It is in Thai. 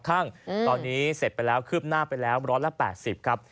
ข้างตอนนี้เสร็จไปแล้วคืบหน้าไปแล้ว๑๘๐ครับ